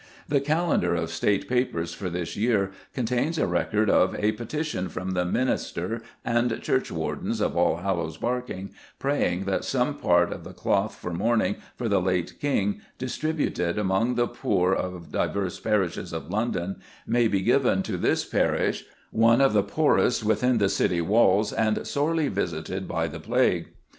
The Calendar of State Papers for this year contains a record of "a petition from the minister and churchwardens of Allhallows Barking, praying that some part of the cloth for mourning for the late King, distributed among the poor of divers parishes of London, may be given to this parish, one of the poorest within the city walls and sorely visited by the plague."